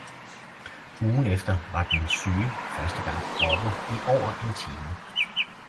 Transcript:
Ugen efter var den syge første gang oppe i over en time